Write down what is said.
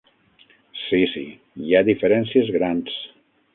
Sí, sí, hi ha diferències grans.